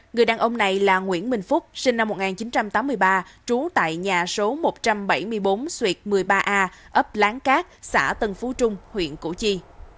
người đàn ông này là nguyễn minh phúc sinh năm một nghìn chín trăm tám mươi ba trú tại nhà số một trăm bảy mươi bốn xuyệt một mươi ba a ấp lán cát xã tân phú trung huyện củ chi